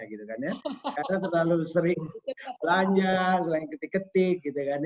karena terlalu sering lanjak sering ketik ketik